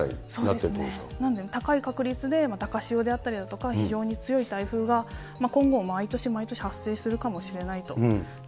なので、高い確率で、高潮であったりだとか、非常に強い台風が今後、毎年毎年、発生するかもしれないと。